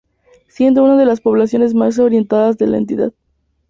Siendo una de las poblaciones más orientales de la entidad.